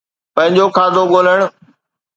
پنهنجو کاڌو ڳولڻ